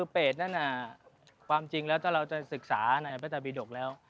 เปรตนั่นคือความจริงเราจะศึกษาในเบชบิดกแล้ว